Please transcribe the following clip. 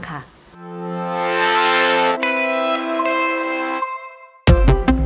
โปรดติดตามตอนต่อไป